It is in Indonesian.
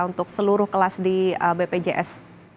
untuk seluruh kelas di bpjs